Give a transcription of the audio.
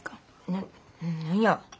な何や。